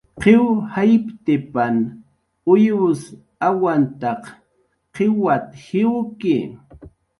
"Qiw jayptipan uyws awantaq qiwat"" jiwki "